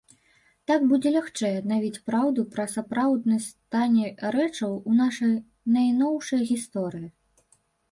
Так будзе лягчэй аднавіць праўду пра сапраўдны стане рэчаў у нашай найноўшай гісторыі.